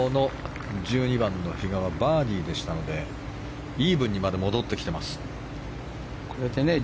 １２番、バーディーでしたのでイーブンにまで戻っています。